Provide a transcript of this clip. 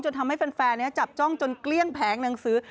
ทำให้แฟนจับจ้องจนเกลี้ยงแผงหนังสือ